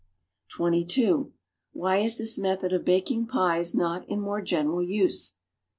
(22) AVhy is this method of baking pies not in more general use?